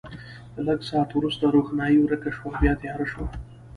لږ ساعت وروسته روښنايي ورکه شوه او بیا تیاره شوه.